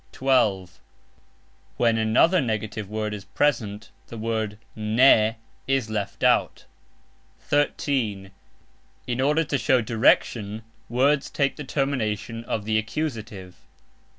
(12) When another NEGATIVE word is present the word "ne" is left out. (13) In order to show DIRECTION words take the termination of the accusative.